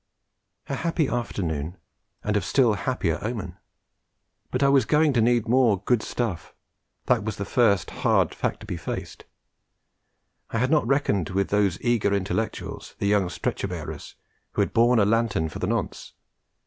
A happy afternoon, and of still happier omen! But I was going to need more 'good stuff'; that was the first hard fact to be faced. I had not reckoned with those eager intellectuals, the young stretcher bearers who had borne a lantern for the nonce.